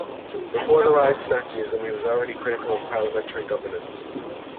Before the rise of Nazism, he was already critical of parliamentary governance.